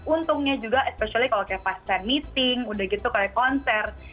untungnya juga expecially kalau kayak pas stand meeting udah gitu kayak konser